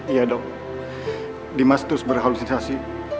iya dok dimas terus berhalusinasi